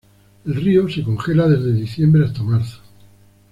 El río se congela desde diciembre hasta marzo.